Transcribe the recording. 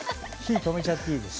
火は止めちゃっていいです。